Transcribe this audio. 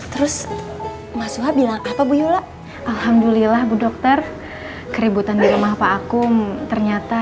terus mas suha bilang apa bu yola alhamdulillah bu dokter keributan di rumah pak akum ternyata